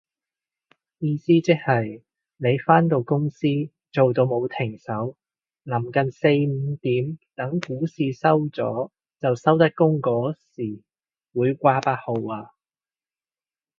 意思即係你返到公司做到冇停手，臨近四五點等股市收咗就收得工嗰時會掛八號啊